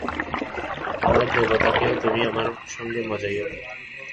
আমার দেবতাকেও তুমি আমার সঙ্গে মজাইয়ো না।